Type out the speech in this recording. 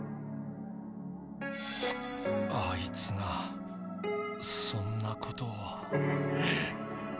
あいつがそんなことを。